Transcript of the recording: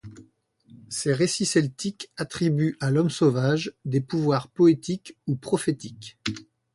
Ces récits celtiques attribuent à l'homme sauvage des pouvoirs poétiques ou prophétiques.